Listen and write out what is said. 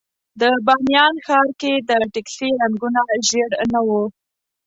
د بامیان ښار کې د ټکسي رنګونه ژېړ نه وو.